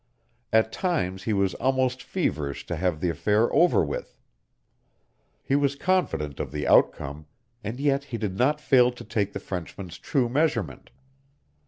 At times he was almost feverish to have the affair over with. He was confident of the outcome, and yet he did not fail to take the Frenchman's true measurement.